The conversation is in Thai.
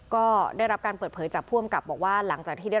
ก็ได้รับการเปิดเผยจากผู้เรียนนี้